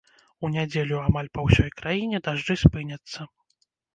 У нядзелю амаль па ўсёй краіне дажджы спыняцца.